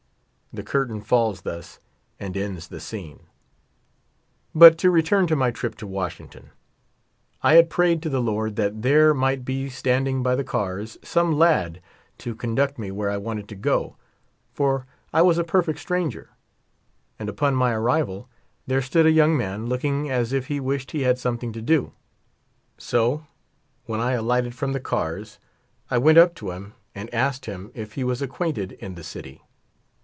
The curtain falls thus, and ends the scene. But to return to my trip to Washington. I had prayed to the Lord that there might be standing by the cars some lad to conduct me where I wanted to go, for I was a per 17 feet stranger. And upon my arrival, there stood a young man looking as if he wished he had something to do ; so when I alighted from the cars I went up to him and asked him if he was acquainted in the city.